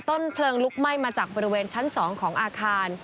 ต้นเพลิงลุกไหม้มาจากบริเวณชั้น๒ของอาคาร